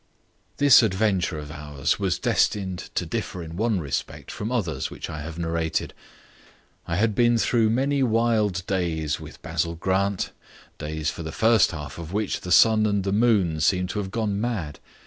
This adventure of ours was destined to differ in one respect from others which I have narrated. I had been through many wild days with Basil Grant, days for the first half of which the sun and the moon seemed to have gone mad.